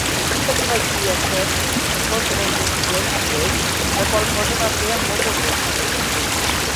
Així que li va dir a Sedg que fos menys exigent amb ells, la qual cosa va fer amb molt de gust.